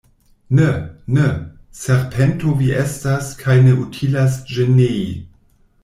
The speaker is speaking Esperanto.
Ne, ne! Serpento vi estas, kaj ne utilas ĝin nei.